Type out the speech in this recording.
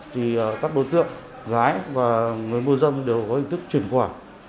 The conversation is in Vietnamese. thì các đối tượng gái và người môi râm đều có hình thức chuyển quả